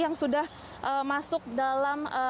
yang sudah masuk dalam